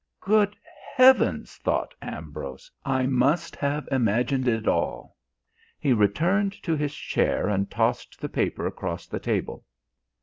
"Good heavens," thought Ambrose, "I must have imagined it all." He returned to his chair and tossed the paper across the table.